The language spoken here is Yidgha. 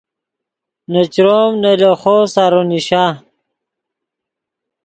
نے چروم نے لیخو سارو نیشا